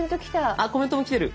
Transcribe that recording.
あっコメントも来てる。